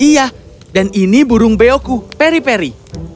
iya dan ini burung beoku peri peri